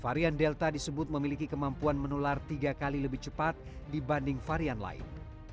varian delta disebut memiliki kemampuan menular tiga kali lebih cepat dibanding varian lain